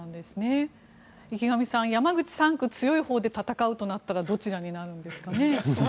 池上さん、山口３区強いほうで戦うとなったらどちらになるんですかね。